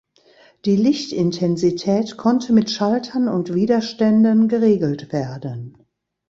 Die Lichtintensität konnte mit Schaltern und Widerständen geregelt werden.